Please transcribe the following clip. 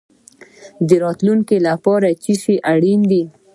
د راتلونکي لپاره څه شی اړین دی؟